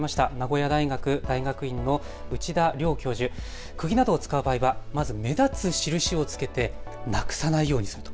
名古屋大学大学院の内田良教授、くぎなどを使う場合はまず目立つ印を付けてなくさないようにする。